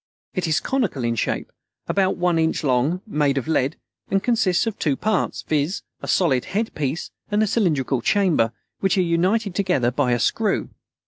It is conical in shape, about one inch long, made of lead, and consists of two parts viz: a solid head piece and a cylindrical chamber, which are united together by a screw.